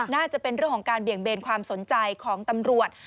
น่าจะเป็นเรื่องของการเบี่ยงเบนความสนใจของตำรวจ